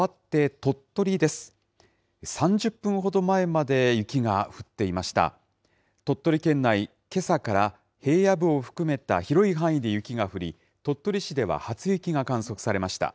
鳥取県内、けさから平野部を含めた広い範囲で雪が降り、鳥取市では初雪が観測されました。